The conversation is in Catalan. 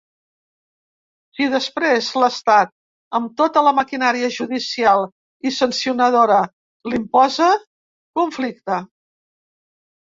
Si després l’estat, amb tota la maquinària judicial i sancionadora l’imposa, conflicte.